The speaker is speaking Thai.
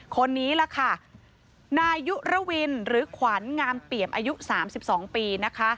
คนนี้ล่ะค่ะนายยุระวินหรือขวัญงามเปี่ยมอายุ๓๒ปีนะคะ